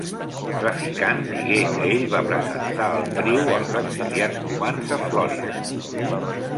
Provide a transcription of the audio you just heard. Trafficante digué que ell va presentar el trio als exiliats cubans a Florida.